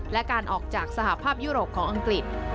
และการออกจากสหภาพยุโรปของอังกฤษ